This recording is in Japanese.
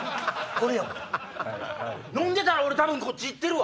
飲んでたらこっち行ってるわ。